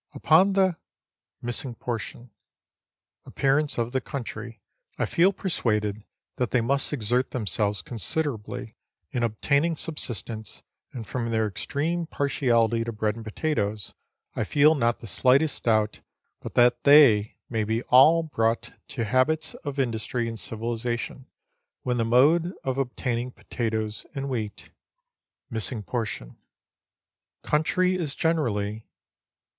Upon the appearance of the country, I feel persuaded that they must exert themselves considerably in obtaining subsistence, and from their extreme partiality to bread and potatoes, I feel not the slightest doubt but that they may be all brought to habits of industry and civilization, when the mode of obtaining potatoes and wheat country is generally